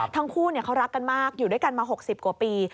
ทั้งคู่เขารักกันมากอยู่ด้วยกันมา๖๐กว่าปี